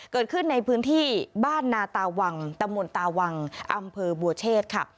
เกิดขึ้นในพื้นที่บ้านนาตาวังตะมนตาวังอำเภอบัวเชษค่ะ